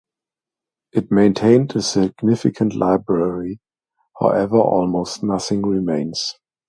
It maintained a significant library however, almost nothing remains.